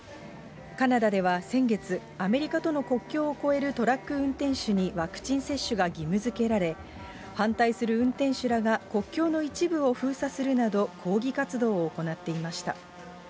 カナダでは先月、アメリカとの国境を越えるトラック運転手にワクチン接種が義務づけられ、反対する運転手らが国境の一部を封鎖するなど、抗議活動を行っていました。